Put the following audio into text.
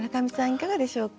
いかがでしょうか？